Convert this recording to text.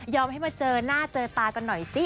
ให้มาเจอหน้าเจอตากันหน่อยสิ